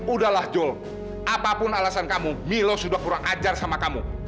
udahlah jol apapun alasan kamu milo sudah kurang ajar sama kamu